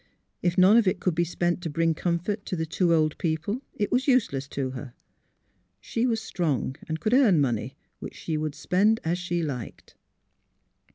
If none of it could be spent to bring comfort to the two old people, it was useless to her. She was strong and could earn money, which she would spend as she liked.